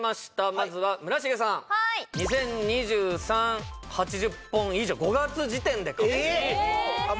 まずは村重さん２０２３８０本以上５月時点でかえーっ！